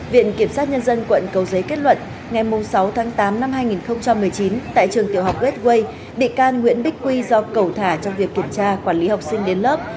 viện kiểm sát nhân dân quận cầu giấy kết luận ngày sáu tháng tám năm hai nghìn một mươi chín tại trường tiểu học gateway bị can nguyễn bích quy do cẩu thả trong việc kiểm tra quản lý học sinh đến lớp